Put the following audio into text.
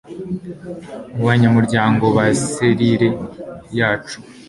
mu banyamuryango ba selire yacu